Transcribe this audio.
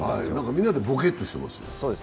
みんなでボケッとしてますね。